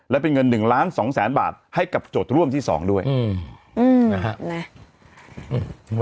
แล้วเป็นเงินหนึ่งล้านสองแสนบาทให้กับโจทย์ร่วมที่สองด้วยอืม